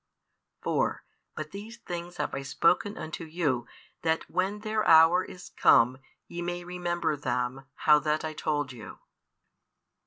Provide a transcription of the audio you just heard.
4 But these things have I spoken unto you, that when their hour is come, ye may remember them, how that I told you.